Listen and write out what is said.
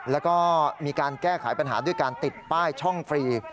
แล้วก็มีการแก้ไขปัญหาด้วยการติดป้ายช่องฟรี